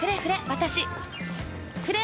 私。